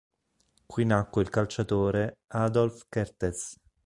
Qui nacque il calciatore Adolf Kertész.